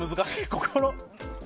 ここの。